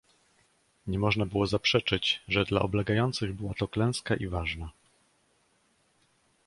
"Nie można było zaprzeczyć, że dla oblegających była to klęska, i ważna."